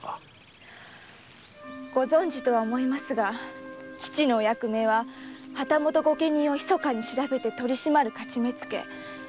ご存じと思いますが父のお役目は旗本御家人をひそかに調べて取り締まる徒目付。